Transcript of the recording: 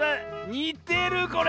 にてるこれ！